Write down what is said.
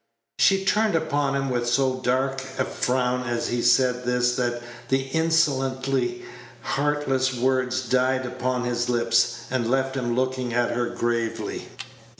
She turned upon him with so dark a frown as he said this that the insolently heartless words died upon his lips, and left him looking at her gravely.